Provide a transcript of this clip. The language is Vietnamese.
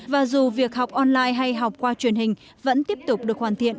và dù việc học online hay học qua truyền hình vẫn tiếp tục được hoàn thiện